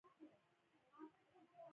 يو مشهور مجرم پېژندونکي ويلي دي.